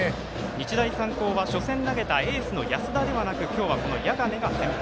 日大三高は初戦投げたエースの安田ではなく今日は谷亀が先発。